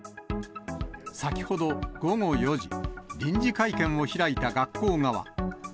先ほど午後４時、臨時会見を開いた学校側。